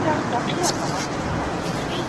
پاچا د خپلې ډولۍ څادر راکوز کړ.